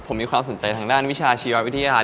ผมมีความสนใจทางด้านวิชาชีววิทยา